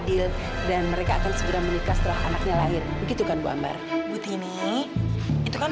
yang terpenting sekarang itu kan alena